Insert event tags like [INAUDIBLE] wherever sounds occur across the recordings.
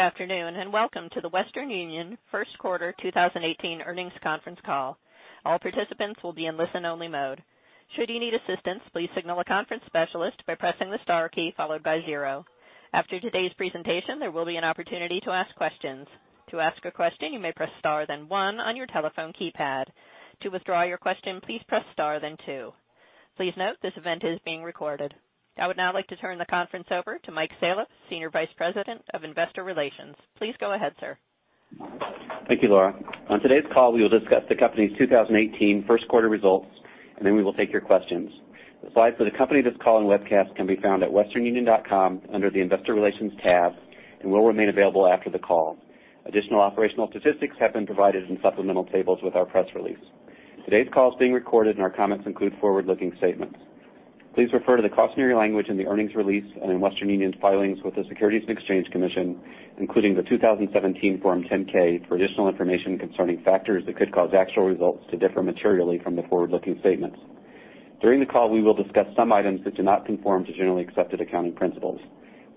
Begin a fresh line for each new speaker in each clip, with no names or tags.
Good afternoon, and welcome to the Western Union first quarter 2018 earnings conference call. All participants will be in listen-only mode. Should you need assistance, please signal a conference specialist by pressing the star key followed by zero. After today's presentation, there will be an opportunity to ask questions. To ask a question, you may press star then one on your telephone keypad. To withdraw your question, please press star then two. Please note this event is being recorded. I would now like to turn the conference over to Mike Salop, Senior Vice President of Investor Relations. Please go ahead, sir.
Thank you, Laura. On today's call, we will discuss the company's 2018 first-quarter results, then we will take your questions. The slides for the company, this call, and webcast can be found at westernunion.com under the Investor Relations tab and will remain available after the call. Additional operational statistics have been provided in supplemental tables with our press release. Today's call is being recorded, and our comments include forward-looking statements. Please refer to the cautionary language in the earnings release and in Western Union's filings with the Securities and Exchange Commission, including the 2017 Form 10-K, for additional information concerning factors that could cause actual results to differ materially from the forward-looking statements. During the call, we will discuss some items that do not conform to generally accepted accounting principles.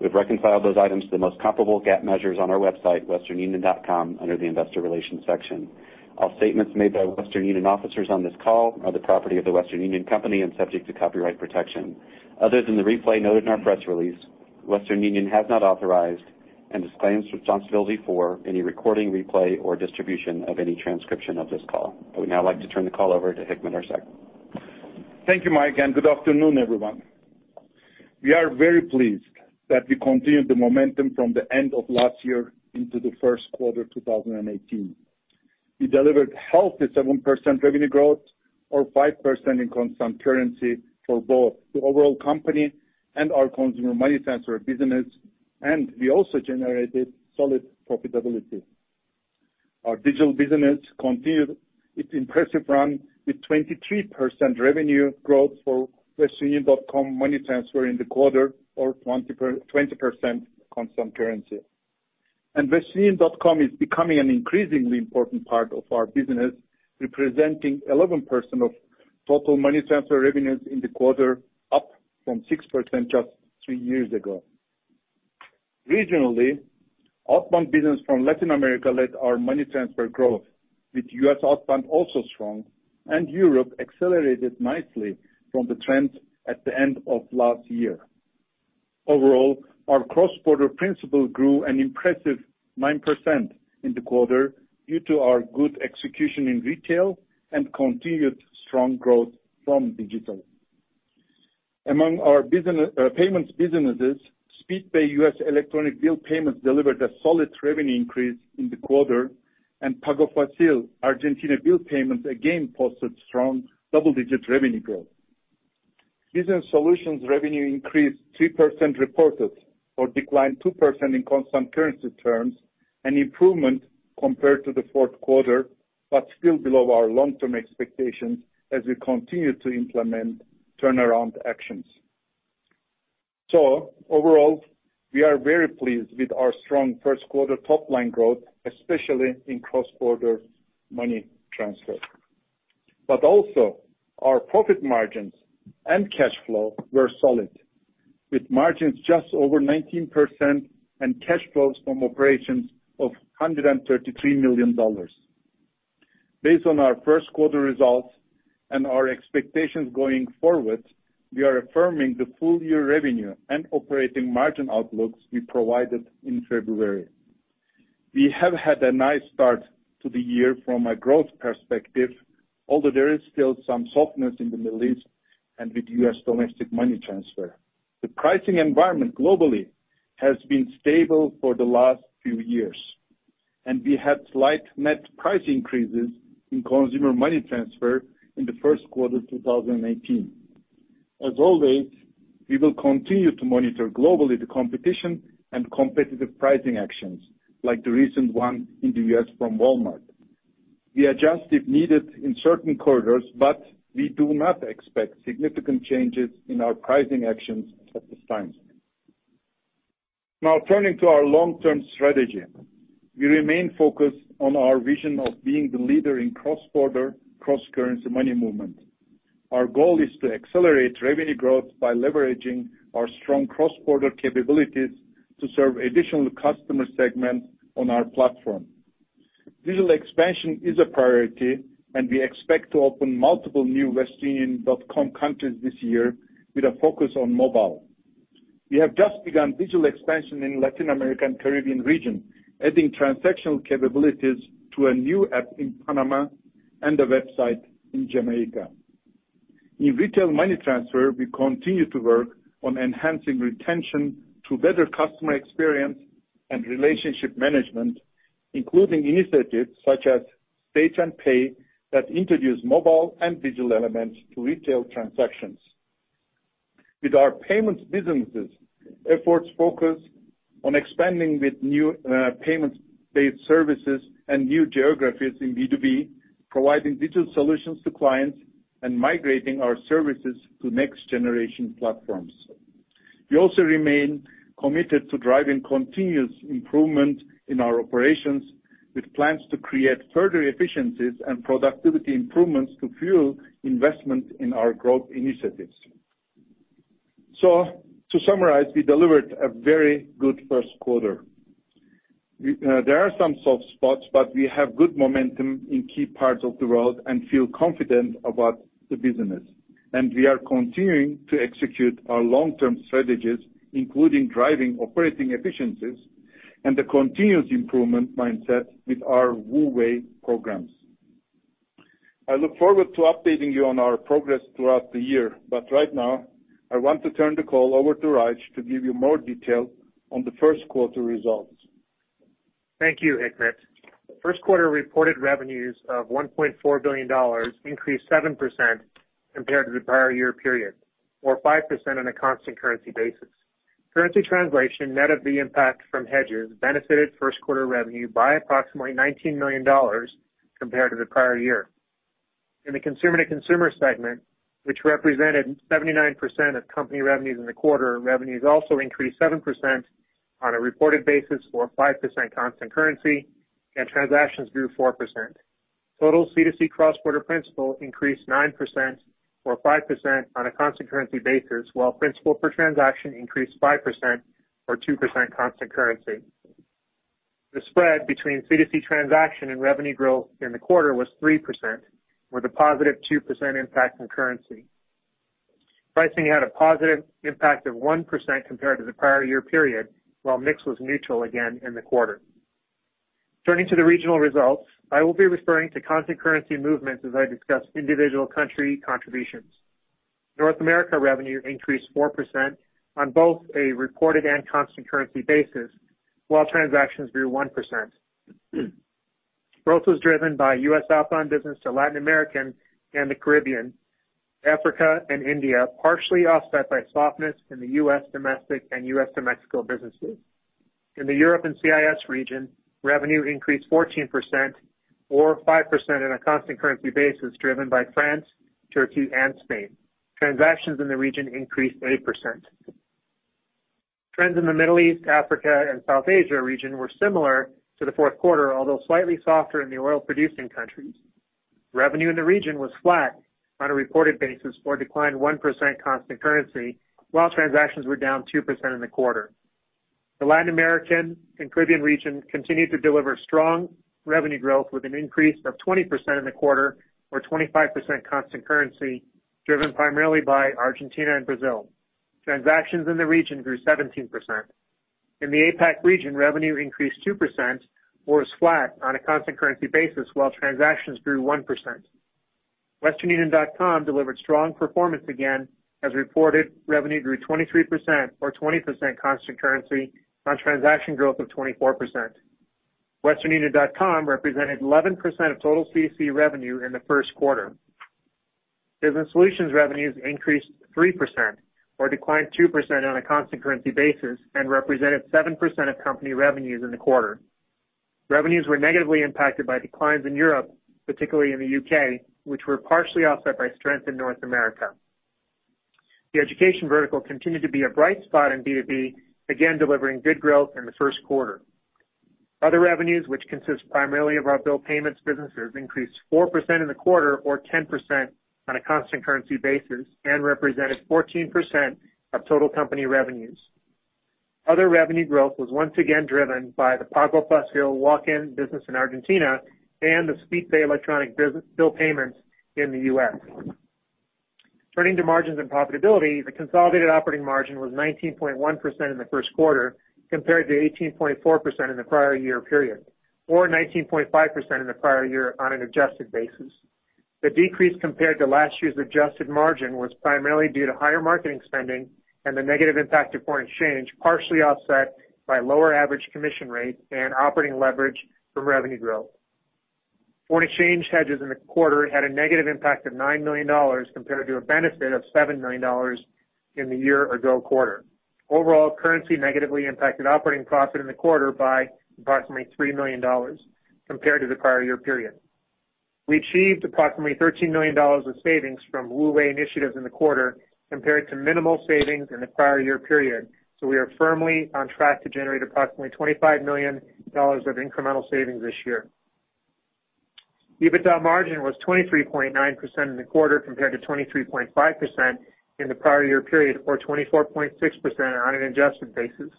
We have reconciled those items to the most comparable GAAP measures on our website, westernunion.com, under the Investor Relations section. All statements made by Western Union officers on this call are the property of The Western Union Company and subject to copyright protection. Other than the replay noted in our press release, Western Union has not authorized and disclaims responsibility for any recording, replay, or distribution of any transcription of this call. I would now like to turn the call over to Hikmet Ersek.
Thank you, Mike, and good afternoon, everyone. We are very pleased that we continued the momentum from the end of last year into the first quarter 2018. We delivered healthy 7% revenue growth or 5% in constant currency for both the overall company and our Consumer Money Transfer business, and we also generated solid profitability. Our digital business continued its impressive run with 23% revenue growth for westernunion.com money transfer in the quarter or 20% constant currency. westernunion.com is becoming an increasingly important part of our business, representing 11% of total money transfer revenues in the quarter, up from 6% just three years ago. Regionally, outbound business from Latin America led our money transfer growth, with U.S. outbound also strong and Europe accelerated nicely from the trends at the end of last year. Overall, our cross-border principal grew an impressive 9% in the quarter due to our good execution in retail and continued strong growth from digital. Among our payments businesses, Speedpay U.S. electronic bill payments delivered a solid revenue increase in the quarter, and Pago Fácil Argentina bill payments again posted strong double-digit revenue growth. Business solutions revenue increased 3% reported or declined 2% in constant currency terms, an improvement compared to the fourth quarter, but still below our long-term expectations as we continue to implement turnaround actions. Overall, we are very pleased with our strong first quarter top-line growth, especially in cross-border money transfer. Also, our profit margins and cash flow were solid, with margins just over 19% and cash flows from operations of $133 million. Based on our first quarter results and our expectations going forward, we are affirming the full-year revenue and operating margin outlooks we provided in February. We have had a nice start to the year from a growth perspective, although there is still some softness in the Middle East and with U.S. domestic money transfer. The pricing environment globally has been stable for the last few years, and we had slight net price increases in Consumer Money Transfer in the first quarter 2018. As always, we will continue to monitor globally the competition and competitive pricing actions, like the recent one in the U.S. from Walmart. We adjust if needed in certain corridors, but we do not expect significant changes in our pricing actions at this time. Turning to our long-term strategy. We remain focused on our vision of being the leader in cross-border, cross-currency money movement. Our goal is to accelerate revenue growth by leveraging our strong cross-border capabilities to serve additional customer segments on our platform. Digital expansion is a priority, and we expect to open multiple new westernunion.com countries this year with a focus on mobile. We have just begun digital expansion in Latin America and Caribbean region, adding transactional capabilities to a new app in Panama and a website in Jamaica. In retail money transfer, we continue to work on enhancing retention through better customer experience and relationship management, including initiatives such as Stay and Pay that introduce mobile and digital elements to retail transactions. With our payments businesses, efforts focus on expanding with new payments-based services and new geographies in B2B, providing digital solutions to clients and migrating our services to next-generation platforms. We also remain committed to driving continuous improvement in our operations with plans to create further efficiencies and productivity improvements to fuel investment in our growth initiatives. To summarize, we delivered a very good first quarter. There are some soft spots, but we have good momentum in key parts of the world and feel confident about the business. We are continuing to execute our long-term strategies, including driving operating efficiencies and the continuous improvement mindset with our WU Way programs. I look forward to updating you on our progress throughout the year, but right now, I want to turn the call over to Raj to give you more detail on the first quarter results.
Thank you, Hikmet. First quarter reported revenues of $1.4 billion increased 7% compared to the prior year period, or 5% on a constant currency basis. Currency translation net of the impact from hedges benefited first quarter revenue by approximately $19 million compared to the prior year. In the consumer-to-consumer segment, which represented 79% of company revenues in the quarter, revenues also increased 7% on a reported basis or 5% constant currency and transactions grew 4%. Total C2C cross-border principal increased 9% or 5% on a constant currency basis, while principal per transaction increased 5% or 2% constant currency. The spread between C2C transaction and revenue growth in the quarter was 3%, with a positive 2% impact from currency. Pricing had a positive impact of 1% compared to the prior year period, while mix was neutral again in the quarter. Turning to the regional results, I will be referring to constant currency movements as I discuss individual country contributions. North America revenue increased 4% on both a reported and constant currency basis, while transactions grew 1%. Growth was driven by U.S. outbound business to Latin American and the Caribbean, Africa and India, partially offset by softness in the U.S. domestic and U.S. to Mexico businesses. In the Europe and CIS region, revenue increased 14% or 5% on a constant currency basis, driven by France, Turkey and Spain. Transactions in the region increased 8%. Trends in the Middle East, Africa, and South Asia region were similar to the fourth quarter, although slightly softer in the oil-producing countries. Revenue in the region was flat on a reported basis or declined 1% constant currency, while transactions were down 2% in the quarter. The Latin American and Caribbean region continued to deliver strong revenue growth with an increase of 20% in the quarter or 25% constant currency, driven primarily by Argentina and Brazil. Transactions in the region grew 17%. In the APAC region, revenue increased 2% or is flat on a constant currency basis while transactions grew 1%. westernunion.com delivered strong performance again, as reported revenue grew 23% or 20% constant currency on transaction growth of 24%. westernunion.com represented 11% of total C2C revenue in the first quarter. Business solutions revenues increased 3% or declined 2% on a constant currency basis and represented 7% of company revenues in the quarter. Revenues were negatively impacted by declines in Europe, particularly in the U.K., which were partially offset by strength in North America. The education vertical continued to be a bright spot in B2B, again delivering good growth in the first quarter. Other revenues, which consist primarily of our bill payments businesses, increased 4% in the quarter or 10% on a constant currency basis and represented 14% of total company revenues. Other revenue growth was once again driven by the Pago Fácil walk-in business in Argentina and the Speedpay electronic bill payments in the U.S. Turning to margins and profitability, the consolidated operating margin was 19.1% in the first quarter compared to 18.4% in the prior year period or 19.5% in the prior year on an adjusted basis. The decrease compared to last year's adjusted margin was primarily due to higher marketing spending and the negative impact of foreign exchange, partially offset by lower average commission rate and operating leverage from revenue growth. Foreign exchange hedges in the quarter had a negative impact of $9 million compared to a benefit of $7 million in the year ago quarter. Overall, currency negatively impacted operating profit in the quarter by approximately $3 million compared to the prior year period. We achieved approximately $13 million of savings from WU Way initiatives in the quarter compared to minimal savings in the prior year period. We are firmly on track to generate approximately $25 million of incremental savings this year. EBITDA margin was 23.9% in the quarter compared to 23.5% in the prior year period or 24.6% on an adjusted basis.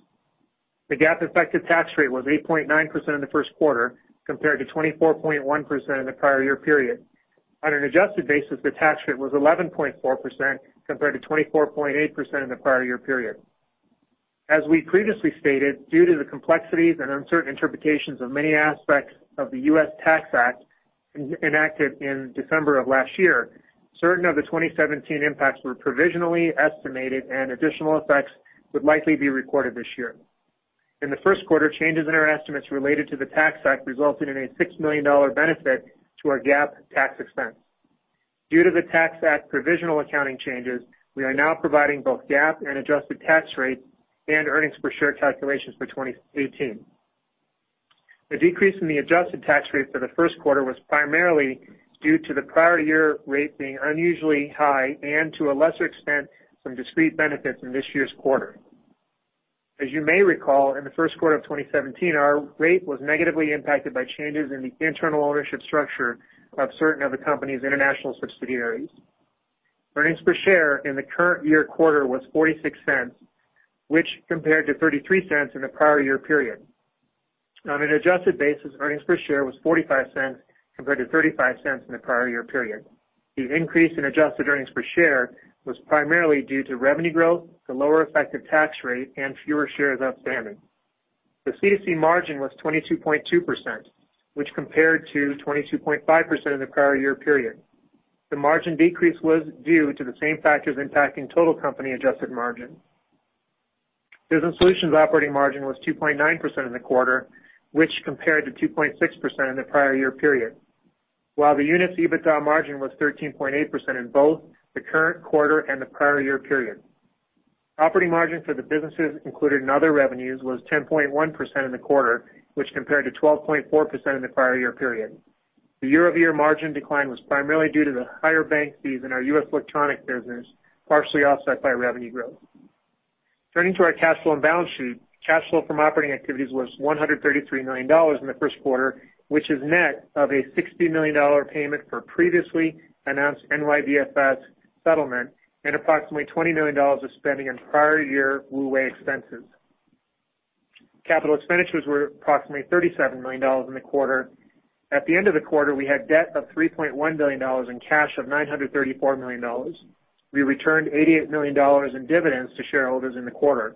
The GAAP effective tax rate was 8.9% in the first quarter compared to 24.1% in the prior year period. On an adjusted basis, the tax rate was 11.4% compared to 24.8% in the prior year period. As we previously stated, due to the complexities and uncertain interpretations of many aspects of the U.S. Tax Act enacted in December of last year, certain of the 2017 impacts were provisionally estimated and additional effects would likely be recorded this year. In the first quarter, changes in our estimates related to the Tax Act resulted in a $6 million benefit to our GAAP tax expense. Due to the Tax Act provisional accounting changes, we are now providing both GAAP and adjusted tax rate and earnings per share calculations for 2018. The decrease in the adjusted tax rate for the first quarter was primarily due to the prior year rate being unusually high and, to a lesser extent, some discrete benefits in this year's quarter. As you may recall, in the first quarter of 2017, our rate was negatively impacted by changes in the internal ownership structure of certain of the company's international subsidiaries. Earnings per share in the current year quarter was $0.46, which compared to $0.33 in the prior year period. On an adjusted basis, earnings per share was $0.45 compared to $0.35 in the prior year period. The increase in adjusted earnings per share was primarily due to revenue growth, the lower effective tax rate, and fewer shares outstanding. The CEC margin was 22.2%, which compared to 22.5% in the prior year period. The margin decrease was due to the same factors impacting total company adjusted margin. Business solutions operating margin was 2.9% in the quarter, which compared to 2.6% in the prior year period, while the units EBITDA margin was 13.8% in both the current quarter and the prior year period. Operating margin for the businesses included in other revenues was 10.1% in the quarter, which compared to 12.4% in the prior year period. The year-over-year margin decline was primarily due to the higher bank fees in our U.S. electronics business, partially offset by revenue growth. Turning to our cash flow and balance sheet. Cash flow from operating activities was $133 million in the first quarter, which is net of a $60 million payment for previously announced NYDFS settlement and approximately $20 million of spending on prior year WU Way expenses. Capital expenditures were approximately $37 million in the quarter. At the end of the quarter, we had debt of $3.1 billion and cash of $934 million. We returned $88 million in dividends to shareholders in the quarter.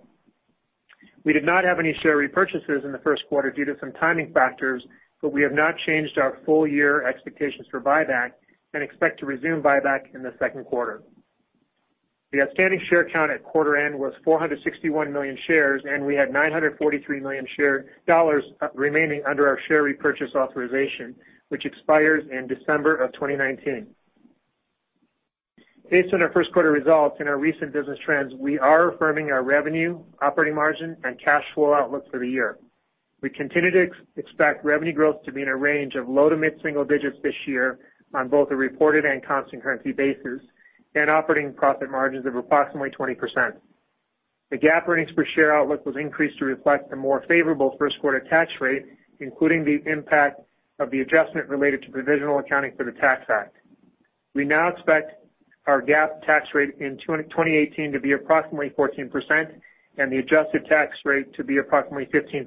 We did not have any share repurchases in the first quarter due to some timing factors, but we have not changed our full year expectations for buyback and expect to resume buyback in the second quarter. The outstanding share count at quarter end was 461 million shares, and we had $943 million remaining under our share repurchase authorization, which expires in December of 2019. Based on our first quarter results and our recent business trends, we are affirming our revenue, operating margin, and cash flow outlook for the year. We continue to expect revenue growth to be in a range of low to mid-single digits this year on both a reported and constant currency basis and operating profit margins of approximately 20%. The GAAP earnings per share outlook was increased to reflect a more favorable first quarter tax rate, including the impact of the adjustment related to provisional accounting for the Tax Act. We now expect our GAAP tax rate in 2018 to be approximately 14% and the adjusted tax rate to be approximately 15%.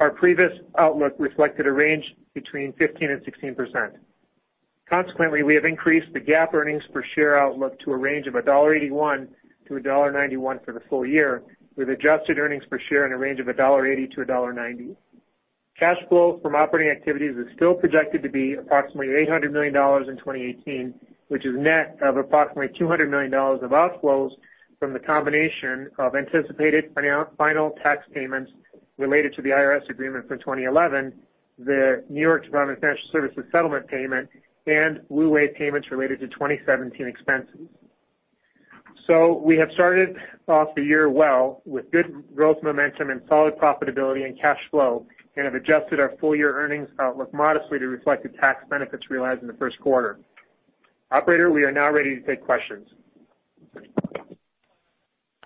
Our previous outlook reflected a range between 15% and 16%. Consequently, we have increased the GAAP earnings per share outlook to a range of $1.81 to $1.91 for the full year, with adjusted earnings per share in a range of $1.80 to $1.90. Cash flow from operating activities is still projected to be approximately $800 million in 2018, which is net of approximately $200 million of outflows from the combination of anticipated final tax payments related to the IRS agreement for 2011, the New York Department of Financial Services settlement payment, and WU Way payments related to 2017 expenses. We have started off the year well with good growth momentum and solid profitability and cash flow and have adjusted our full-year earnings outlook modestly to reflect the tax benefits realized in the first quarter. Operator, we are now ready to take questions.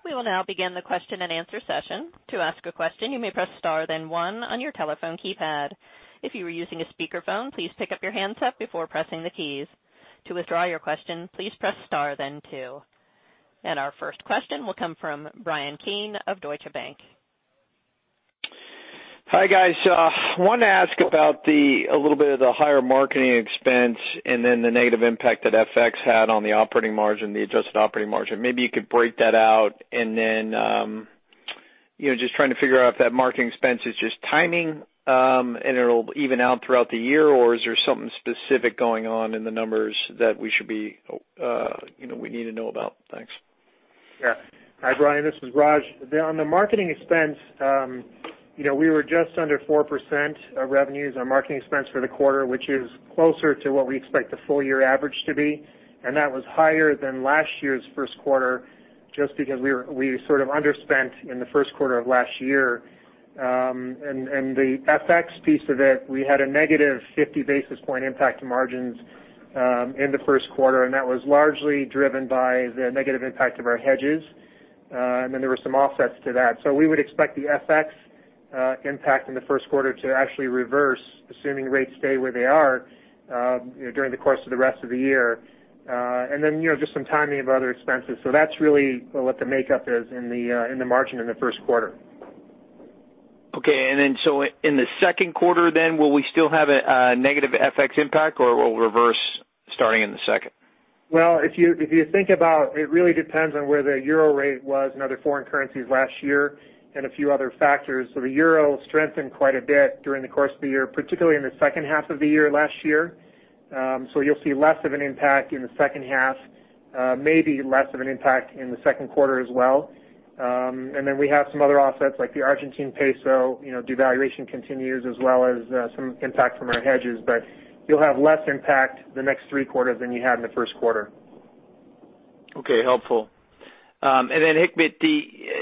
We will now begin the question and answer session. To ask a question, you may press star then one on your telephone keypad. If you are using a speakerphone, please pick up your handset before pressing the keys. To withdraw your question, please press star then two. Our first question will come from Bryan Keane of Deutsche Bank.
Hi, guys. Wanted to ask about a little bit of the higher marketing expense, the negative impact that FX had on the operating margin, the adjusted operating margin. Maybe you could break that out, just trying to figure out if that marketing expense is just timing, and it'll even out throughout the year, or is there something specific going on in the numbers that we need to know about? Thanks.
Yeah. Hi, Bryan. This is Raj. On the marketing expense, we were just under 4% of revenues, our marketing expense for the quarter, which is closer to what we expect the full year average to be. That was higher than last year's first quarter just because we sort of underspent in the first quarter of last year. The FX piece of it, we had a negative 50 basis point impact to margins in the first quarter, that was largely driven by the negative impact of our hedges. There were some offsets to that. We would expect the FX impact in the first quarter to actually reverse, assuming rates stay where they are during the course of the rest of the year. Just some timing of other expenses. That's really what the makeup is in the margin in the first quarter.
Okay. In the second quarter, will we still have a negative FX impact, or it will reverse starting in the second?
Well, if you think about it really depends on where the euro rate was and other foreign currencies last year and a few other factors. The euro strengthened quite a bit during the course of the year, particularly in the second half of the year last year. You'll see less of an impact in the second half, maybe less of an impact in the second quarter as well. We have some other offsets like the Argentine peso devaluation continues as well as some impact from our hedges. You'll have less impact the next three quarters than you had in the first quarter.
Okay. Helpful. Hikmet,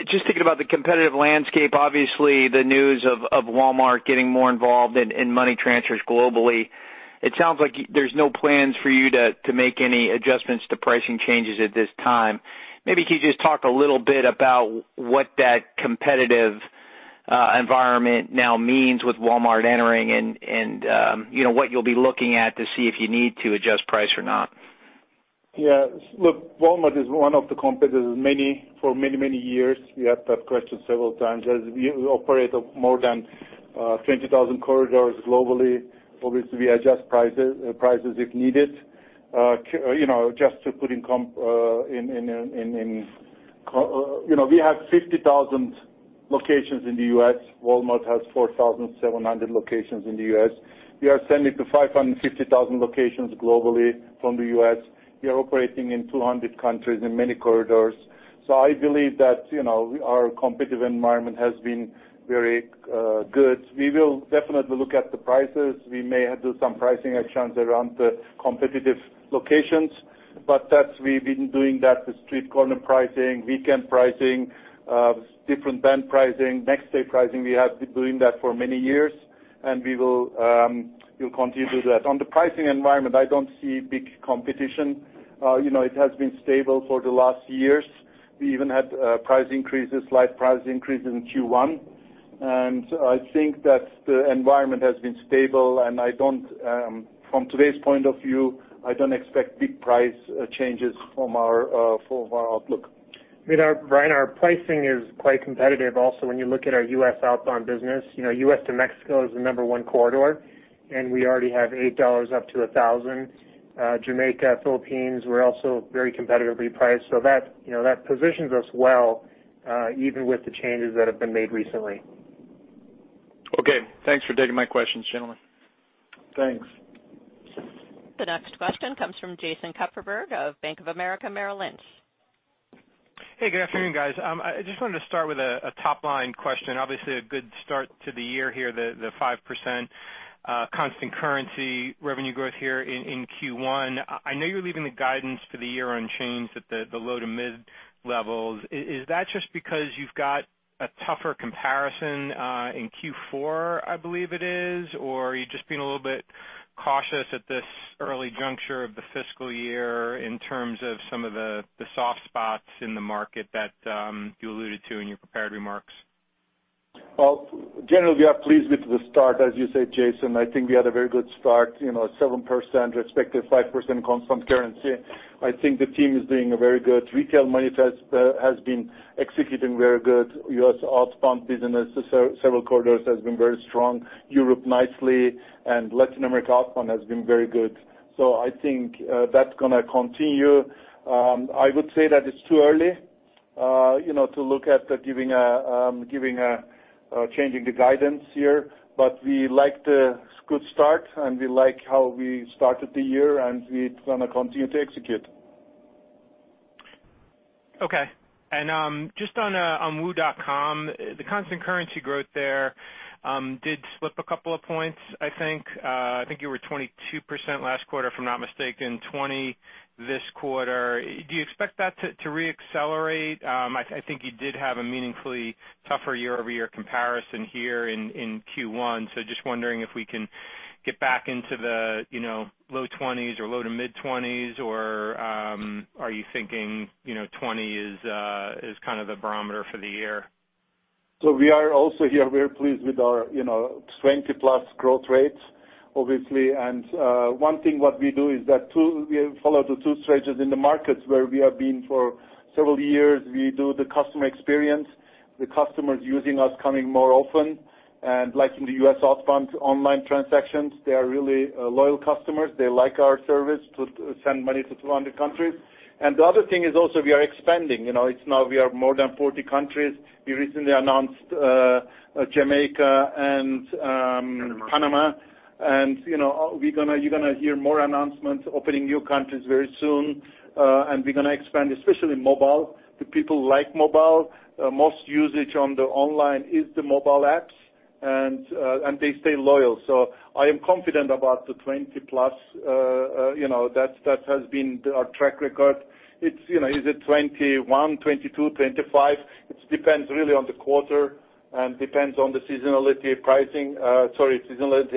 just thinking about the competitive landscape, obviously the news of Walmart getting more involved in money transfers globally. It sounds like there's no plans for you to make any adjustments to pricing changes at this time. Maybe can you just talk a little bit about what that competitive environment now means with Walmart entering and what you'll be looking at to see if you need to adjust price or not?
Yeah. Look, Walmart is one of the competitors. For many, many years, we had that question several times. As we operate more than 20,000 corridors globally, obviously we adjust prices if needed. We have 50,000 locations in the U.S. Walmart has 4,700 locations in the U.S. We are sending to 550,000 locations globally from the U.S. We are operating in 200 countries in many corridors. I believe that our competitive environment has been very good. We will definitely look at the prices. We may do some pricing actions around the competitive locations, we've been doing that with street corner pricing, weekend pricing, different band pricing, next day pricing. We have been doing that for many years, we will continue that. On the pricing environment, I don't see big competition. It has been stable for the last years. We even had slight price increase in Q1. I think that the environment has been stable, from today's point of view, I don't expect big price changes from our outlook.
Bryan, our pricing is quite competitive also when you look at our U.S. outbound business. U.S. to Mexico is the number one corridor, we already have $8 up to 1,000. Jamaica, Philippines, we're also very competitively priced, that positions us well, even with the changes that have been made recently.
Okay. Thanks for taking my questions, gentlemen.
Thanks.
The next question comes from Jason Kupferberg of Bank of America Merrill Lynch.
Hey, good afternoon, guys. I just wanted to start with a top-line question. Obviously, a good start to the year here, the 5% constant currency revenue growth here in Q1. I know you're leaving the guidance for the year unchanged at the low to mid levels. Is that just because you've got a tougher comparison in Q4, I believe it is, or are you just being a little bit cautious at this early juncture of the fiscal year in terms of some of the soft spots in the market that you alluded to in your prepared remarks?
Generally, we are pleased with the start, as you say, Jason. I think we had a very good start, 7% respective, 5% constant currency. I think the team is doing very good. Retail Money Transfer has been executing very good U.S. outbound business. Several corridors have been very strong. Europe nicely, Latin America outbound has been very good. I think that's going to continue. I would say that it's too early to look at changing the guidance here, we like the good start, and we like how we started the year, and we're going to continue to execute.
Okay. Just on wu.com, the constant currency growth there did slip a couple of points, I think. I think you were 22% last quarter, if I'm not mistaken, 20% this quarter. Do you expect that to re-accelerate? I think you did have a meaningfully tougher year-over-year comparison here in Q1. Just wondering if we can get back into the low 20s or low to mid-20s, or are you thinking 20 is kind of the barometer for the year?
We are also here very pleased with our 20-plus growth rates, obviously. One thing what we do is that we follow the two strategies in the markets where we have been for several years. We do the customer experience. The customers using us coming more often, and like in the U.S. outbound online transactions, they are really loyal customers. They like our service to send money to 200 countries. The other thing is also we are expanding. It's now we are more than 40 countries. We recently announced Jamaica and Panama, and you're going to hear more announcements opening new countries very soon. We're going to expand, especially mobile. The people like mobile. Most usage on the online is the mobile apps, and they stay loyal. I am confident about the 20-plus. That has been our track record. Is it 21, 22, 25? It depends really on the quarter and depends on the seasonality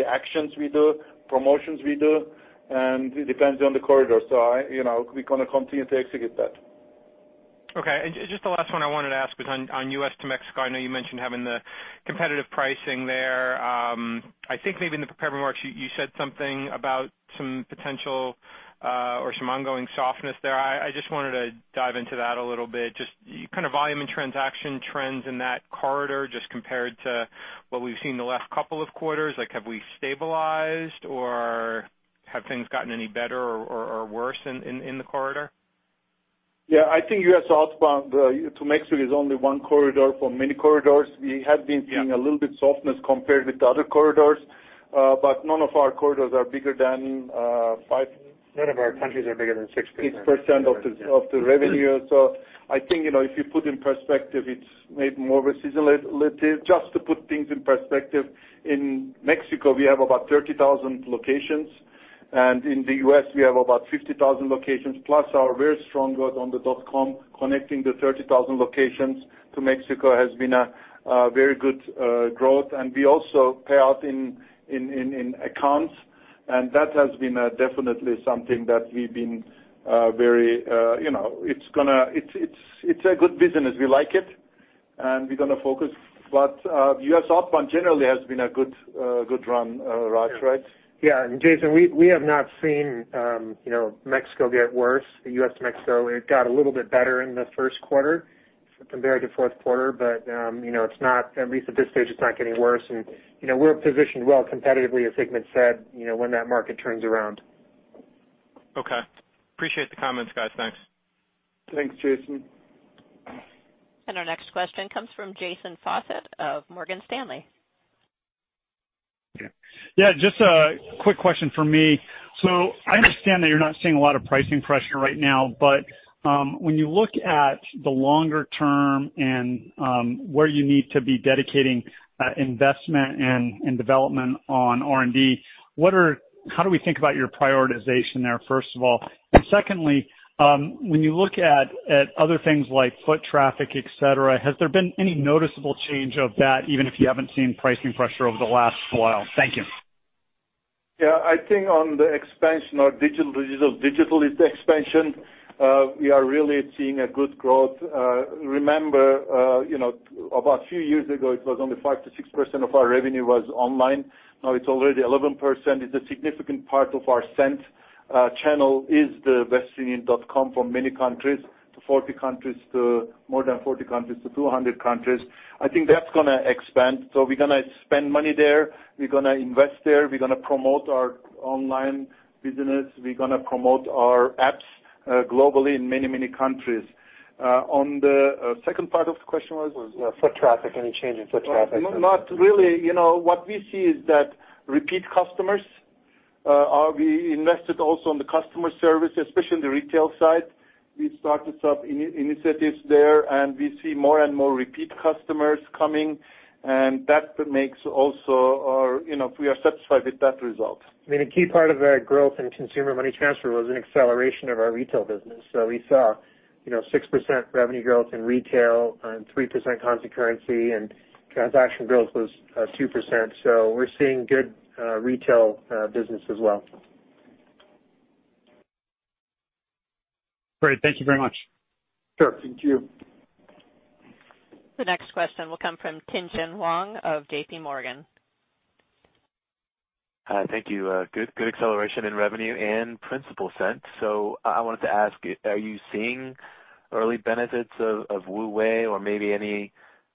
actions we do, promotions we do, and it depends on the corridor. We're going to continue to execute that.
Okay. Just the last one I wanted to ask was on U.S. to Mexico. I know you mentioned having the competitive pricing there. I think maybe in the prepared remarks you said something about some potential or some ongoing softness there. I just wanted to dive into that a little bit. Just kind of volume and transaction trends in that corridor just compared to what we've seen the last couple of quarters. Have we stabilized or have things gotten any better or worse in the corridor?
Yeah, I think U.S. outbound to Mexico is only one corridor for many corridors. We have been seeing a little bit softness compared with the other corridors, but none of our corridors are bigger than five-
None of our countries are bigger than 6%.
6% of the revenue. I think, if you put in perspective, it's maybe more of a seasonality. Just to put things in perspective, in Mexico, we have about 30,000 locations, and in the U.S., we have about 50,000 locations, plus our very strong growth on the wu.com, connecting the 30,000 locations to Mexico has been a very good growth. We also pay out in accounts. That has been definitely something that we've been very. It's a good business. We like it, and we're going to focus. U.S. outbound generally has been a good run, Raj, right?
Yeah. Jason, we have not seen Mexico get worse. The U.S. to Mexico, it got a little bit better in the first quarter compared to fourth quarter. At least at this stage, it's not getting worse. We're positioned well competitively, as Hikmet said, when that market turns around.
Okay. Appreciate the comments, guys. Thanks.
Thanks, Jason.
Our next question comes from James Faucette of Morgan Stanley.
Yeah. Just a quick question from me. I understand that you're not seeing a lot of pricing pressure right now, but when you look at the longer term and where you need to be dedicating investment and development on R&D, how do we think about your prioritization there, first of all? Secondly, when you look at other things like foot traffic, et cetera, has there been any noticeable change of that, even if you haven't seen pricing pressure over the last while? Thank you.
Yeah. I think on the expansion of digital, it's expansion. We are really seeing a good growth. Remember, about a few years ago, it was only 5%-6% of our revenue was online. Now it's already 11%. It's a significant part of our send channel is the westernunion.com from many countries. More than 40 countries to 200 countries. I think that's going to expand. We're going to spend money there. We're going to invest there. We're going to promote our online business. We're going to promote our apps globally in many, many countries. On the second part of the question was?
Foot traffic, any change in foot traffic.
Not really. What we see is that repeat customers. We invested also in the customer service, especially in the retail side. We started some initiatives there, and we see more and more repeat customers coming, and that makes also we are satisfied with that result.
A key part of our growth in Consumer Money Transfer was an acceleration of our retail business. We saw 6% revenue growth in retail and 3% constant currency, and transaction growth was 2%. We're seeing good retail business as well.
Great. Thank you very much.
Sure. Thank you.
The next question will come from Tien-tsin Huang of JPMorgan.
Hi. Thank you. Good acceleration in revenue and principal sent. I wanted to ask, are you seeing early benefits of WU Way or maybe any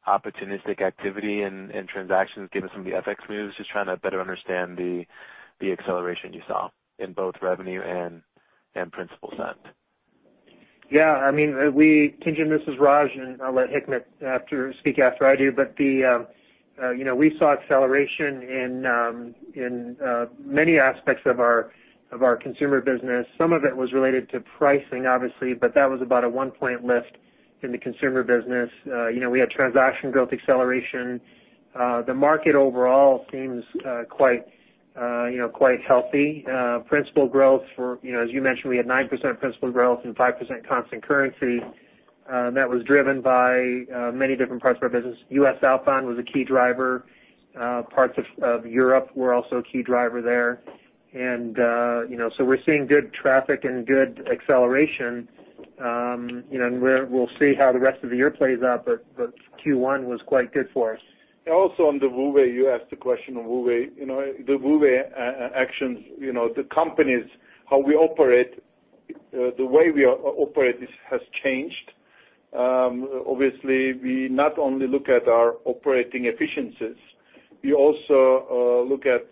opportunistic activity in transactions given some of the FX moves? Just trying to better understand the acceleration you saw in both revenue and principal sent.
Yeah. Tien-tsin, this is Raj, and I'll let Hikmet speak after I do. We saw acceleration in many aspects of our consumer business. Some of it was related to pricing, obviously, but that was about a one-point lift in the consumer business. We had transaction growth acceleration. The market overall seems quite healthy. Principal growth for, as you mentioned, we had 9% principal growth and 5% constant currency. That was driven by many different parts of our business. U.S. outbound was a key driver. Parts of Europe were also a key driver there. We're seeing good traffic and good acceleration. We'll see how the rest of the year plays out, but Q1 was quite good for us.
Also on the WU Way, you asked the question on WU Way. The WU Way actions, how we operate, the way we operate has changed. Obviously, we not only look at our operating efficiencies, we also look at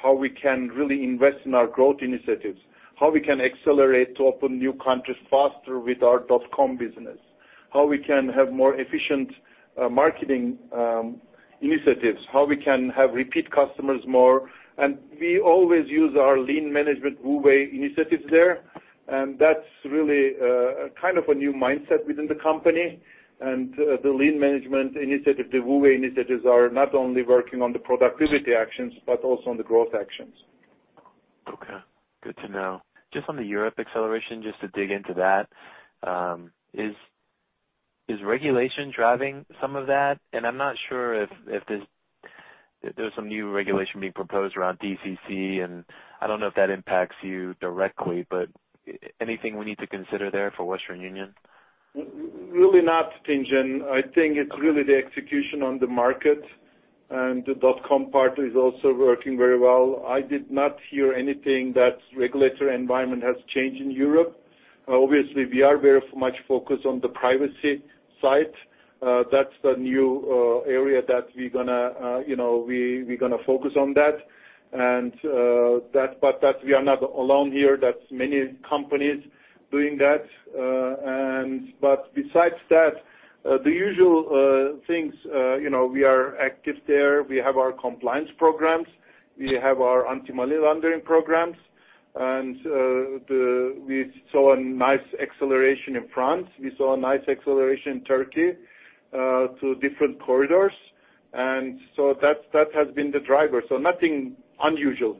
how we can really invest in our growth initiatives, how we can accelerate to open new countries faster with our wu.com business, how we can have more efficient marketing initiatives, how we can have repeat customers more. We always use our lean management WU Way initiatives there, that's really a new mindset within the company. The lean management initiative, the WU Way initiatives are not only working on the productivity actions but also on the growth actions.
Okay. Good to know. Just on the Europe acceleration, just to dig into that, is regulation driving some of that? I'm not sure if there's some new regulation being proposed around DCC, and I don't know if that impacts you directly, but anything we need to consider there for Western Union?
Really not, Tien-tsin. I think it's really the execution on the market, and the wu.com part is also working very well. I did not hear anything that regulatory environment has changed in Europe. Obviously, we are very much focused on the privacy side. That's the new area that we're going to focus on that. That we are not alone here. That's many companies doing that. Besides that, the usual things, we are active there. We have our compliance programs. We have our anti-money laundering programs. We saw a nice acceleration in France. We saw a nice acceleration in Turkey through different corridors. That has been the driver. Nothing unusual.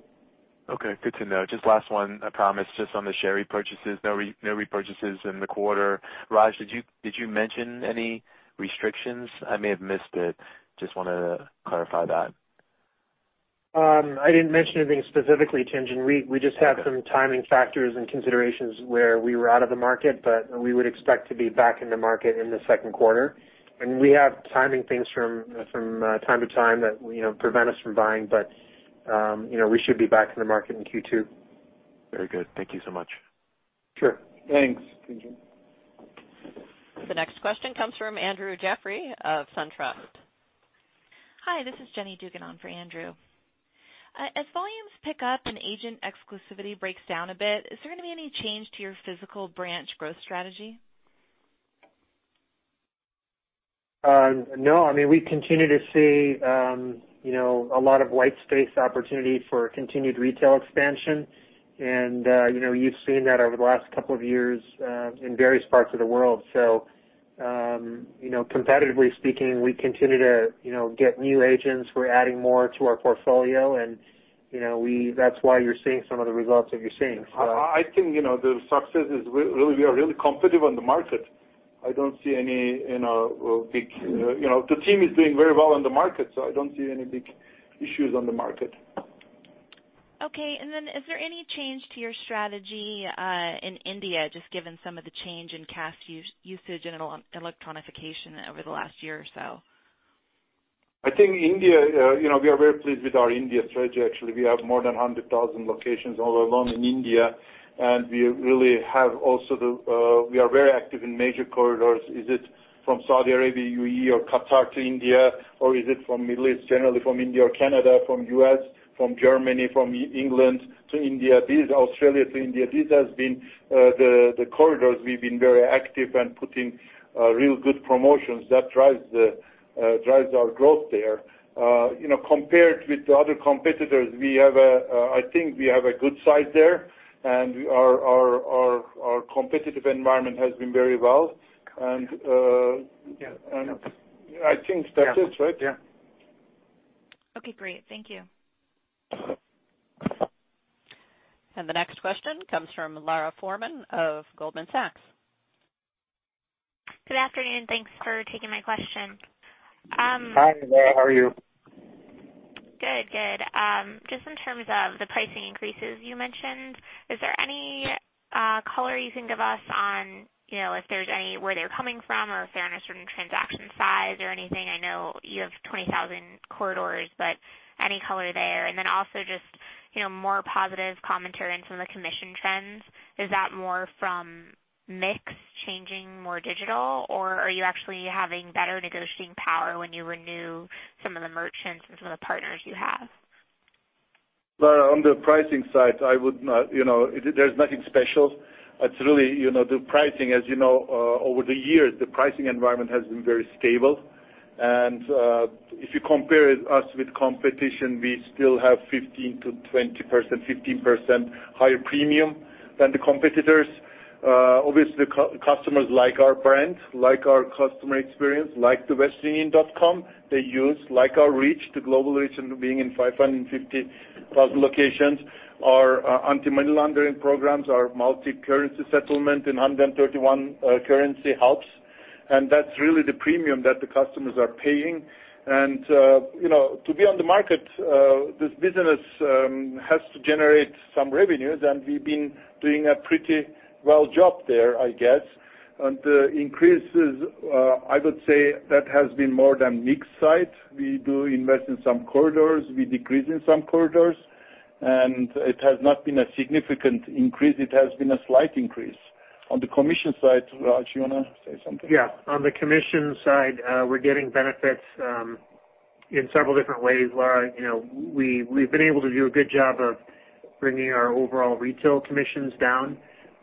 Okay. Good to know. Just last one, I promise. Just on the share repurchases. No repurchases in the quarter. Raj, did you mention any restrictions? I may have missed it. Just want to clarify that.
I didn't mention anything specifically, Tien-tsin. We just have some timing factors and considerations where we were out of the market. We would expect to be back in the market in the second quarter. We have timing things from time to time that prevent us from buying. We should be back in the market in Q2.
Very good. Thank you so much.
Sure.
Thanks, Tien-tsin.
The next question comes from Andrew Jeffrey of SunTrust.
Hi, this is Jenny Dugan on for Andrew. As volumes pick up and agent exclusivity breaks down a bit, is there going to be any change to your physical branch growth strategy?
No. We continue to see a lot of white space opportunity for continued retail expansion. You've seen that over the last couple of years in various parts of the world. Competitively speaking, we continue to get new agents. We're adding more to our portfolio, and that's why you're seeing some of the results that you're seeing.
I think the success is we are really competitive on the market. The team is doing very well on the market, I don't see any big issues on the market.
Okay. Is there any change to your strategy in India, just given some of the change in cash usage and electronification over the last year or so?
I think India, we are very pleased with our India strategy, actually. We have more than 100,000 locations all alone in India, and we are very active in major corridors. Is it from Saudi Arabia, U.A.E., or Qatar to India, or is it from Middle East, generally from India or Canada, from U.S., from Germany, from England to India? Australia to India. These have been the corridors we've been very active and putting real good promotions that drives our growth there. Compared with the other competitors, I think we have a good size there, and our competitive environment has been very well. I think that's it, right?
Yeah.
Okay, great. Thank you.
The next question comes from Lara Fourman of Goldman Sachs.
Good afternoon, thanks for taking my question.
Hi, Lara. How are you?
Good. Just in terms of the pricing increases you mentioned, is there any color you can give us on where they're coming from or if they're on a certain transaction size or anything? I know you have 20,000 corridors, but any color there. Also just more positive commentary on some of the commission trends. Is that more from mix changing more digital, or are you actually having better negotiating power when you renew some of the merchants and some of the partners you have?
Lara, on the pricing side, there's nothing special. The pricing, as you know, over the years, the pricing environment has been very stable. If you compare us with competition, we still have 15% higher premium than the competitors. Obviously, customers like our brand, like our customer experience, like the westernunion.com they use, like our reach, the global reach, and being in 550,000 locations. Our anti-money laundering programs, our multi-currency settlement in 131 currency helps. That's really the premium that the customers are paying. To be on the market, this business has to generate some revenues, and we've been doing a pretty well job there, I guess. The increases, I would say that has been more than mix side. We do invest in some corridors. We decrease in some corridors, and it has not been a significant increase. It has been a slight increase. On the commission side, Raj, you want to say something?
Yeah. On the commission side, we're getting benefits in several different ways, Lara. We've been able to do a good job of bringing our overall retail commissions down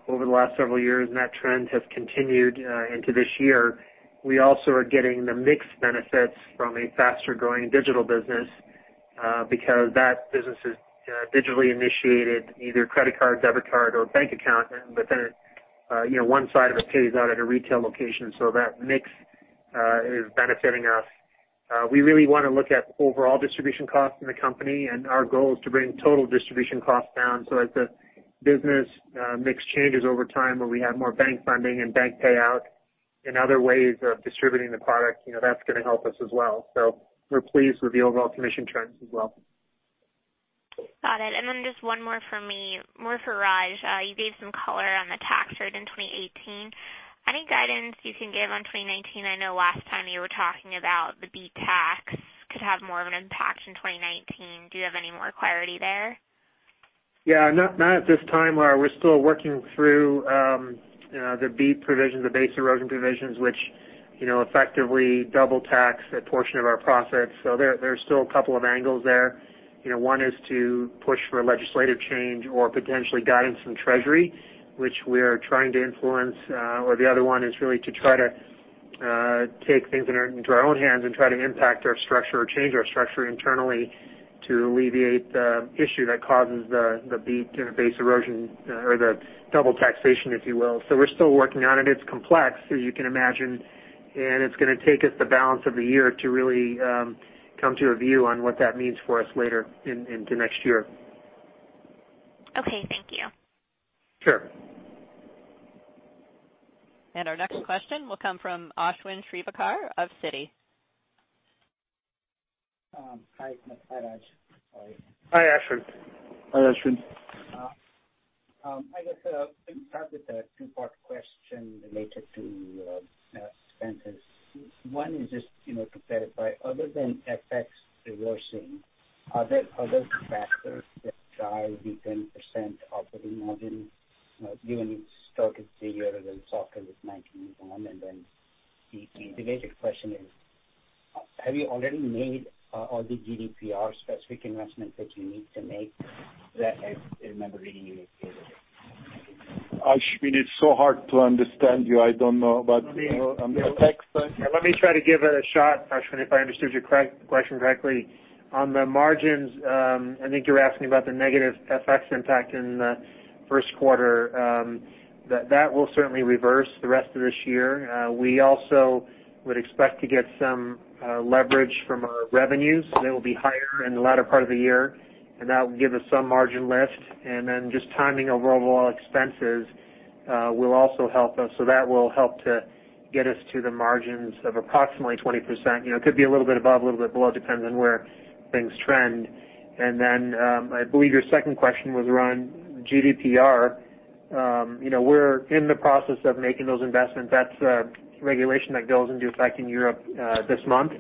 over the last several years, and that trend has continued into this year. We also are getting the mix benefits from a faster-growing digital business because that business is digitally initiated, either credit card, debit card, or bank account. One side of it pays out at a retail location, so that mix is benefiting us. We really want to look at overall distribution costs in the company, and our goal is to bring total distribution costs down. As the business mix changes over time, where we have more bank funding and bank payout and other ways of distributing the product, that's going to help us as well. We're pleased with the overall commission trends as well.
Got it. Just one more from me. More for Raj. You gave some color on the tax rate in 2018. Any guidance you can give on 2019? I know last time you were talking about the BEAT tax could have more of an impact in 2019. Do you have any more clarity there?
Yeah. Not at this time, Lara. We're still working through the BEAT provision, the base erosion provisions, which effectively double tax a portion of our profits. There's still a couple of angles there. One is to push for legislative change or potentially guidance from Treasury, which we are trying to influence. The other one is really to try to take things into our own hands and try to impact our structure or change our structure internally to alleviate the issue that causes the base erosion or the double taxation, if you will. We're still working on it. It's complex, as you can imagine, and it's going to take us the balance of the year to really come to a view on what that means for us later into next year.
Okay, thank you.
Sure.
Our next question will come from Ashwin Shirvaikar of Citi.
Hi. Hi, Raj. Sorry.
Hi, Ashwin.
Hi, Ashwin.
I guess let me start with a two-part question related to expenses. One is just to clarify, other than FX reversing, are there other factors that drive the 10% operating margin, given its stock is [AUDIO DISTORTION] than? [AUDIO DISTORTION] The related question is, have you already made all the GDPR specific investments that you need to make that I remember reading in your?
Ashwin, it's so hard to understand you. I don't know about the text.
Let me try to give it a shot, Ashwin, if I understood your question correctly. On the margins, I think you're asking about the negative FX impact in the first quarter. That will certainly reverse the rest of this year. We also would expect to get some leverage from our revenues. They will be higher in the latter part of the year, that will give us some margin lift. Just timing overall expenses will also help us. That will help to get us to the margins of approximately 20%. It could be a little bit above, a little bit below, depends on where things trend. I believe your second question was around GDPR. We're in the process of making those investments. That's a regulation that goes into effect in Europe this month.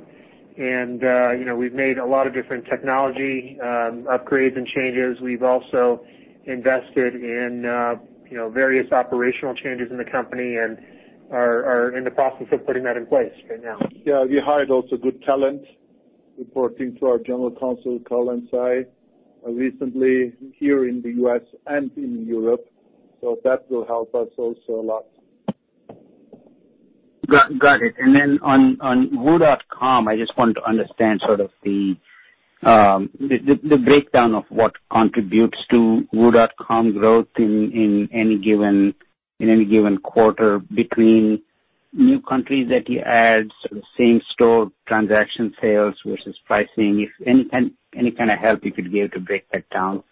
We've made a lot of different technology upgrades and changes. We've also invested in various operational changes in the company and are in the process of putting that in place right now.
Yeah, we hired also good talent reporting to our General Counsel, Caroline Tsai, recently here in the U.S. and in Europe. That will help us also a lot.
Got it. Then on wu.com, I just wanted to understand sort of the breakdown of what contributes to wu.com growth in any given quarter between new countries that you add, sort of same store transaction sales versus pricing. If any kind of help you could give to break that down.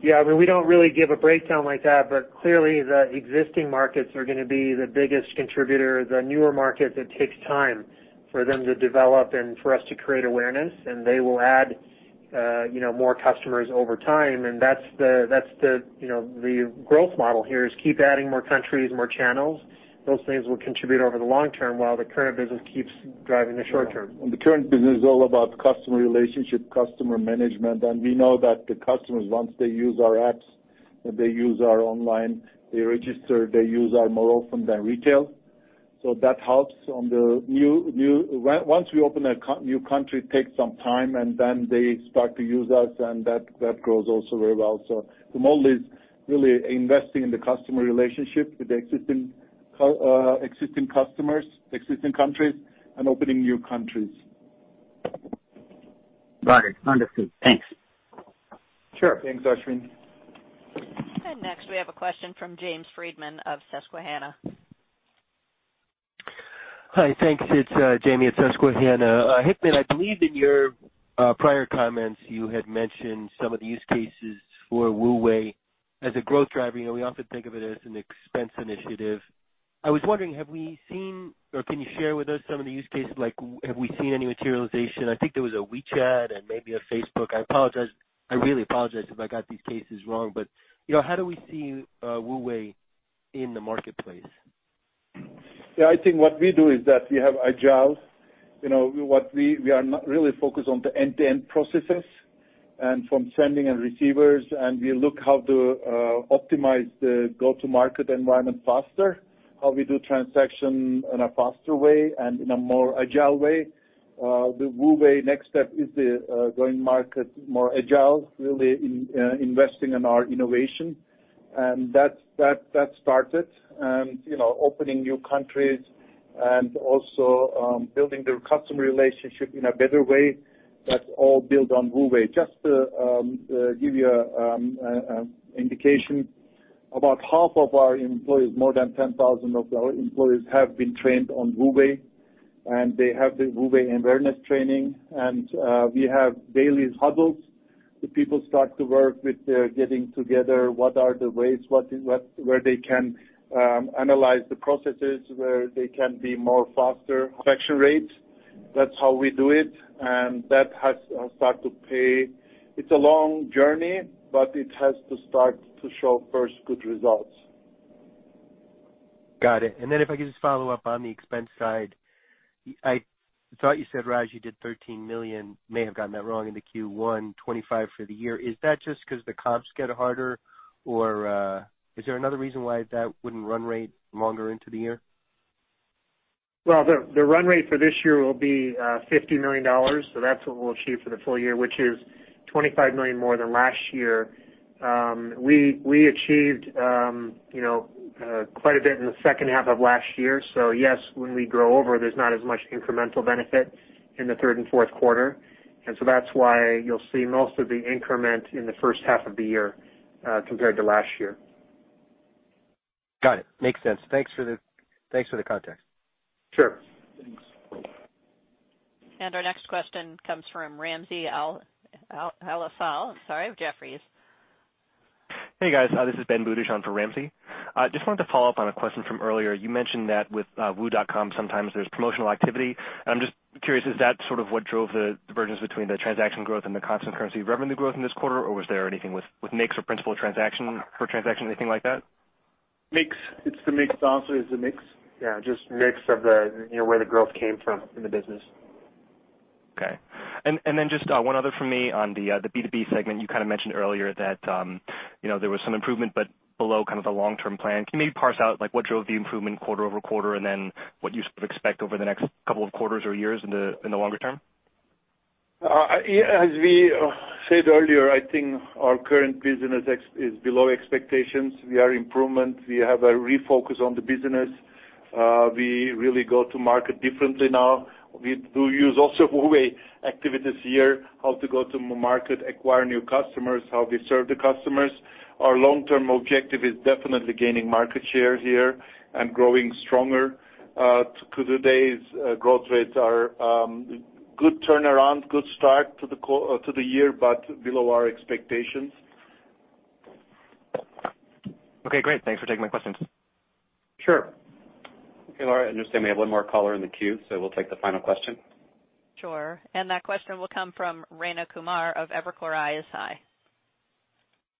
Yeah, we don't really give a breakdown like that, clearly the existing markets are going to be the biggest contributor. The newer markets, it takes time for them to develop and for us to create awareness, they will add more customers over time. That's the growth model here is keep adding more countries, more channels. Those things will contribute over the long term while the current business keeps driving the short term.
The current business is all about customer relationship, customer management. We know that the customers, once they use our apps and they use our online, they register, they use our more often than retail. That helps. Once we open a new country, takes some time. Then they start to use us, that grows also very well. The model is really investing in the customer relationship with the existing customers, existing countries, and opening new countries.
Got it. Understood. Thanks.
Sure.
Thanks, Ashwin.
Next we have a question from James Friedman of Susquehanna.
Hi. Thanks. It's Jamie at Susquehanna. Hikmet, I believe in your prior comments, you had mentioned some of the use cases for WU Way as a growth driver. We often think of it as an expense initiative. I was wondering, have we seen or can you share with us some of the use cases? Like, have we seen any materialization? I think there was a WeChat and maybe a Facebook. I really apologize if I got these cases wrong, but how do we see WU Way in the marketplace?
Yeah, I think what we do is that we have agiles. We are not really focused on the end-to-end processes and from sending and receivers, and we look how to optimize the go-to market environment faster, how we do transaction in a faster way and in a more agile way. The WU Way next step is going market more agile, really investing in our innovation. That started and opening new countries and also building the customer relationship in a better way. That's all built on WU Way. Just to give you an indication, about half of our employees, more than 10,000 of our employees have been trained on WU Way, and they have the WU Way awareness training. We have daily huddles. The people start to work with their getting together, what are the ways where they can analyze the processes, where they can be more faster, collection rates. That's how we do it, and that has start to pay. It's a long journey, but it has to start to show first good results.
Got it. Then if I could just follow up on the expense side. I thought you said, Raj, you did $13 million, may have gotten that wrong in the Q1, $25 million for the year. Is that just because the comps get harder or is there another reason why that wouldn't run rate longer into the year?
The run rate for this year will be $50 million. That's what we'll achieve for the full year, which is $25 million more than last year. We achieved quite a bit in the second half of last year. Yes, when we grow over, there's not as much incremental benefit in the third and fourth quarter, that's why you'll see most of the increment in the first half of the year compared to last year.
Got it. Makes sense. Thanks for the context.
Sure.
Our next question comes from Ramsey El-Assal of Jefferies.
Hey, guys. This is Benjamin Budish on for Ramsey. Just wanted to follow up on a question from earlier. You mentioned that with wu.com, sometimes there's promotional activity, I'm just curious, is that what drove the divergence between the transaction growth and the constant currency revenue growth in this quarter? Or was there anything with mix or principal transaction per transaction, anything like that?
Mix. It's the mix. Also is the mix.
Just mix of where the growth came from in the business.
Just one other from me on the B2B segment. You mentioned earlier that there was some improvement but below the long-term plan. Can you maybe parse out what drove the improvement quarter-over-quarter and then what you expect over the next couple of quarters or years in the longer term?
As we said earlier, I think our current business is below expectations. We are improvement. We have a refocus on the business. We really go to market differently now. We do use also WU Way activities here, how to go to market, acquire new customers, how we serve the customers. Our long-term objective is definitely gaining market share here and growing stronger. To today's growth rates are good turnaround, good start to the year, but below our expectations.
Okay, great. Thanks for taking my questions.
Sure.
Okay, Laura, I understand we have one more caller in the queue, so we'll take the final question.
Sure. That question will come from Rayna Kumar of Evercore ISI.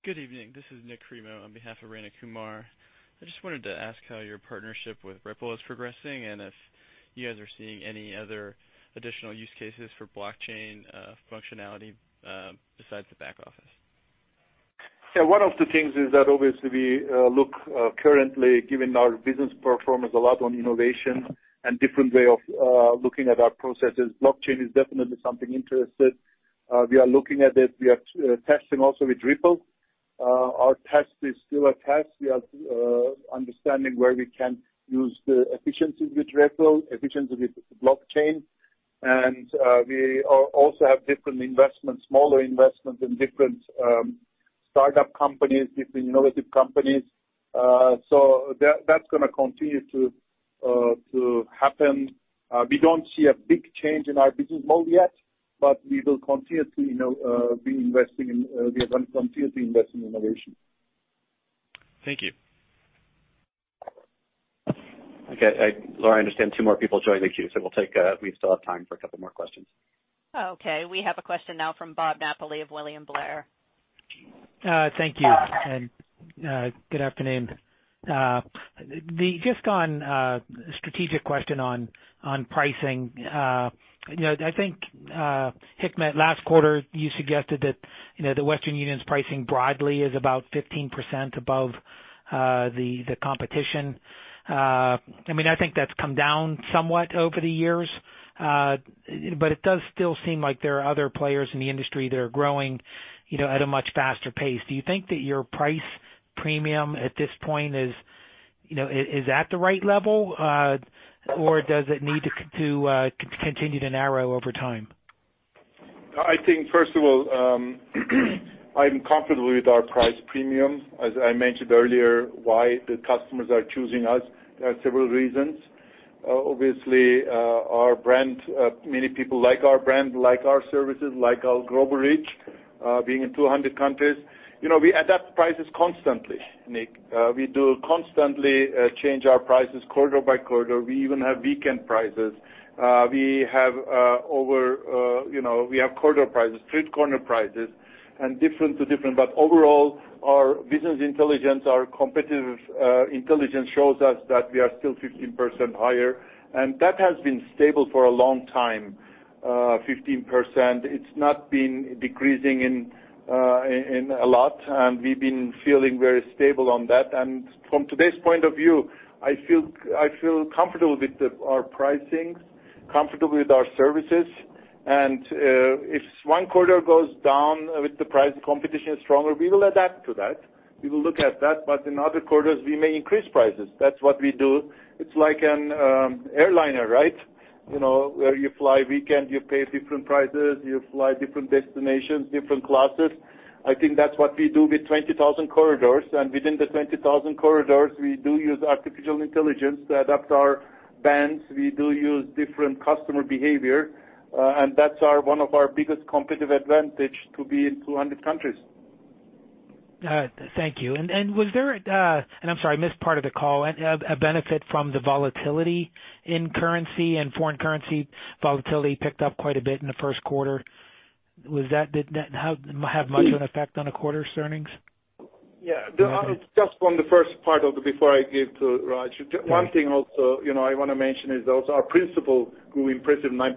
Good evening. This is Nik Cremo on behalf of Rayna Kumar. I just wanted to ask how your partnership with Ripple is progressing, and if you guys are seeing any other additional use cases for blockchain functionality besides the back office.
One of the things is that obviously we look currently, given our business performance, a lot on innovation and different way of looking at our processes. Blockchain is definitely something interesting. We are looking at it. We are testing also with Ripple. Our test is still a test. We are understanding where we can use the efficiency with Ripple, efficiency with blockchain. We also have different investments, smaller investments in different startup companies, different innovative companies. That's going to continue to happen. We don't see a big change in our business model yet, but we will continue to be investing in innovation.
Thank you.
Okay, Laura, I understand two more people joined the queue, so we still have time for a couple more questions.
Okay. We have a question now from Bob Napoli of William Blair.
Thank you, and good afternoon. Just on a strategic question on pricing. I think, Hikmet, last quarter, you suggested that Western Union's pricing broadly is about 15% above the competition. I think that's come down somewhat over the years, but it does still seem like there are other players in the industry that are growing at a much faster pace. Do you think that your price premium at this point is at the right level or does it need to continue to narrow over time?
I think, first of all, I'm comfortable with our price premium. As I mentioned earlier, why the customers are choosing us, there are several reasons. Obviously, our brand, many people like our brand, like our services, like our global reach being in 200 countries. We adapt prices constantly, Nik. We do constantly change our prices quarter by quarter. We even have weekend prices. We have quarter prices, street corner prices, and different to different. Overall, our business intelligence, our competitive intelligence shows us that we are still 15% higher, and that has been stable for a long time, 15%. It's not been decreasing a lot, and we've been feeling very stable on that. From today's point of view, I feel comfortable with our pricing, comfortable with our services. If one quarter goes down with the price, the competition is stronger, we will adapt to that. We will look at that, but in other quarters, we may increase prices. That's what we do. It's like an airliner, where you fly weekend, you pay different prices, you fly different destinations, different classes. I think that's what we do with 20,000 corridors. Within the 20,000 corridors, we do use artificial intelligence to adapt our bands. We do use different customer behavior, and that's one of our biggest competitive advantage to be in 200 countries.
All right. Thank you. Was there, and I'm sorry, I missed part of the call, a benefit from the volatility in currency and foreign currency volatility picked up quite a bit in the first quarter. Did that have much of an effect on the quarter's earnings?
Yeah. Just on the first part of it before I give to Raj. One thing also I want to mention is also our principal grew impressive 9%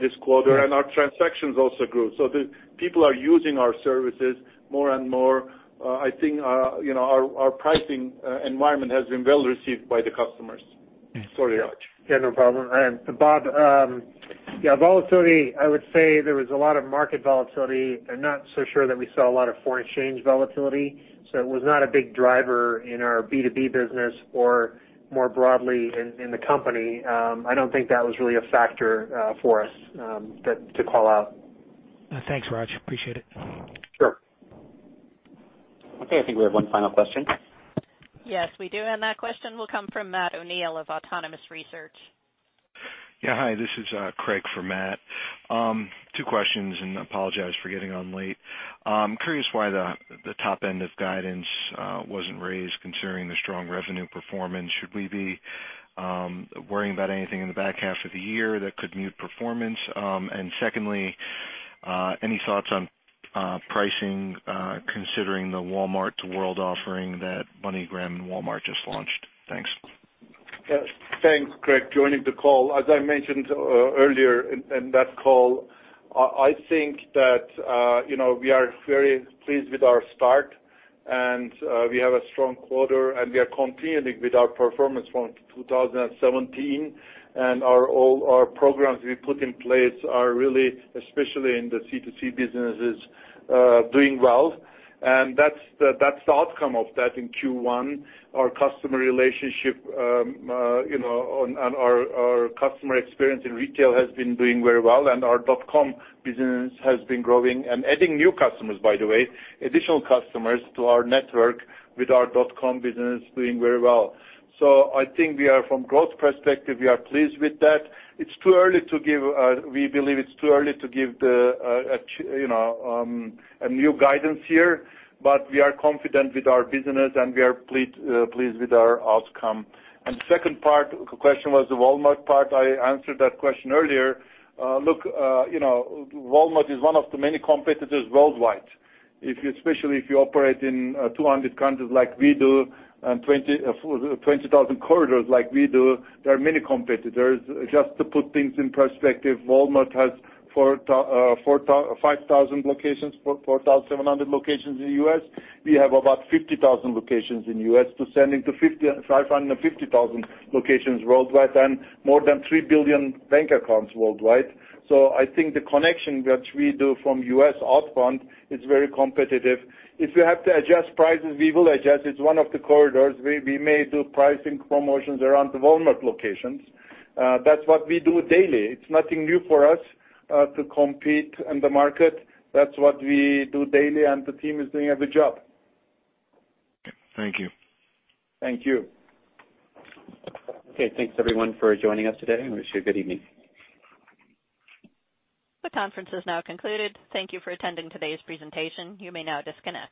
this quarter, and our transactions also grew. The people are using our services more and more. I think our pricing environment has been well received by the customers. Sorry, Raj.
Yeah, no problem. Bob, volatility, I would say there was a lot of market volatility. I'm not so sure that we saw a lot of foreign exchange volatility, it was not a big driver in our B2B business or more broadly in the company. I don't think that was really a factor for us to call out.
Thanks, Raj. Appreciate it.
Sure.
Okay, I think we have one final question.
Yes, we do. That question will come from Matt O'Neill of Autonomous Research.
Hi, this is Craig for Matt. Two questions, and I apologize for getting on late. I'm curious why the top end of guidance wasn't raised considering the strong revenue performance. Should we be worrying about anything in the back half of the year that could mute performance? Secondly, any thoughts on pricing considering the Walmart2World offering that MoneyGram and Walmart just launched? Thanks.
Thanks, Craig, joining the call. As I mentioned earlier in that call, I think that we are very pleased with our start, and we have a strong quarter, and we are continuing with our performance from 2017, and all our programs we put in place are really, especially in the C2C businesses, doing well. That's the outcome of that in Q1. Our customer relationship and our customer experience in retail has been doing very well, and our dot-com business has been growing and adding new customers, by the way, additional customers to our network with our dot-com business doing very well. I think from growth perspective, we are pleased with that. We believe it's too early to give a new guidance here, but we are confident with our business, and we are pleased with our outcome. The second part, the question was the Walmart part. I answered that question earlier. Look, Walmart is one of the many competitors worldwide, especially if you operate in 200 countries like we do, and 20,000 corridors like we do, there are many competitors. Just to put things in perspective, Walmart has 5,000 locations, 4,700 locations in the U.S. We have about 50,000 locations in U.S. to send into 550,000 locations worldwide and more than 3 billion bank accounts worldwide. I think the connection that we do from U.S. outbound is very competitive. If we have to adjust prices, we will adjust. It's one of the corridors. We may do pricing promotions around the Walmart locations. That's what we do daily. It's nothing new for us to compete in the market. That's what we do daily, and the team is doing a good job.
Thank you.
Thank you.
Okay, thanks everyone for joining us today, and wish you a good evening.
The conference has now concluded. Thank you for attending today's presentation. You may now disconnect.